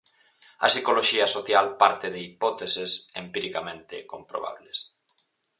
A psicoloxía social parte de hipóteses empiricamente comprobables.